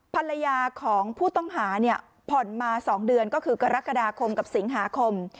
ภรรยาของผู้ต้องหาเนี่ยผ่อนมา๒เดือนก็คือกรกฎาคมกับสิงหาคม